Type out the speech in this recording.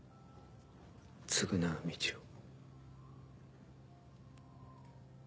償う道を。